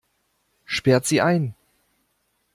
Sperrt sie ein!